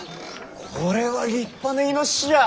これは立派なイノシシじゃ！